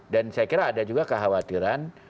dan saya kira ada juga kekhawatiran